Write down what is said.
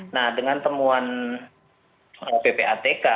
nah dengan temuan ppatk